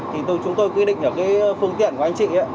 thì chúng tôi quy định ở cái phương tiện của anh chị ấy